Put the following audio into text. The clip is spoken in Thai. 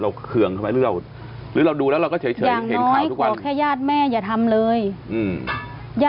เราเคืองให้มายรู้องั้ยอย่าขอแค่ญาติแม่อย่าทำเลย